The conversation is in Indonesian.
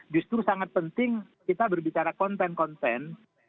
justru sangat penting kita berbicara konten konten